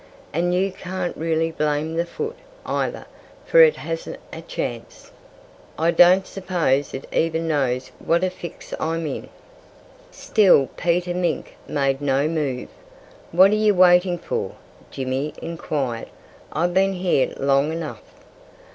And you can't really blame the foot, either, for it hasn't a chance. I don't suppose it even knows what a fix I'm in." Still Peter Mink made no move. "What are you waiting for?" Jimmy inquired. "I've been here long enough."